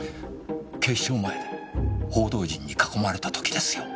警視庁前で報道陣に囲まれた時ですよ。